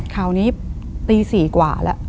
คราวนี้ตี๔กว่าแล้ว